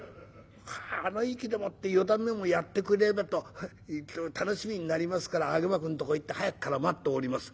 あの意気でもって四段目もやってくれればと楽しみになりますから揚幕んとこ行って早くから待っております。